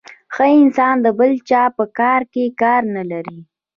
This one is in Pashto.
ښه انسان د بل چا په کار کي کار نلري .